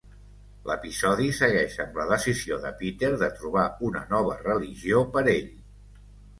L'episodi segueix amb la decisió de Peter de trobar una nova religió per ell.